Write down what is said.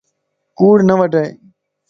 ڪوڙ نه وڊائي